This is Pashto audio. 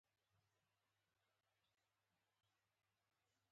ده ویل دا به ډېر بد عواقب ولري.